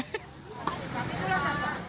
tapi itu lah sampah